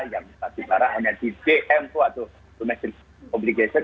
yang batu bara hanya di bmo atau domestic obligation